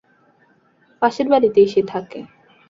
পাশের বাড়িতেই সে থাকে।